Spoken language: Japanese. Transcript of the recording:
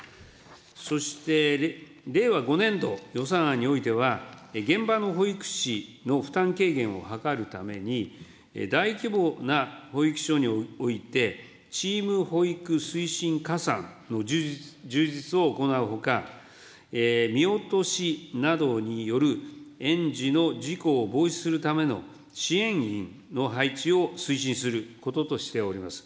そして、令和５年度予算案においては、現場の保育士の負担軽減を図るために、大規模な保育所において、チーム保育推進加算の充実を行うほか、見落としなどによる園児の事故を防止するための支援員の配置を推進することとしております。